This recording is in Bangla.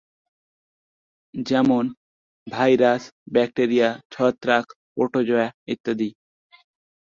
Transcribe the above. যেমন:- ভাইরাস, ব্যাকটেরিয়া, ছত্রাক, প্রোটোজোয়া ইত্যাদি।